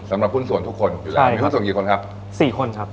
สำหรับพุ่นส่วนทุกคนใช่ร้านมีความส่งกี่คนครับสี่คนครับ